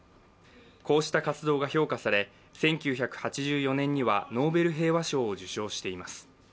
こうした活動が評価され、１９８４年にはノーベル平和賞を受賞しています。